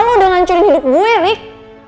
lo udah ngancurin hidup gue rik